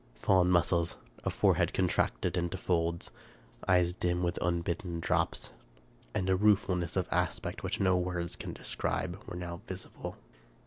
Fallen muscles, a forehead contracted into folds, eyes dim with unbidden drops, and a ruefulness of aspect which no words can describe, were now visible.